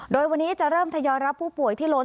โดยวันนี้จะเริ่มทยอยรับผู้ป่วยที่ล้น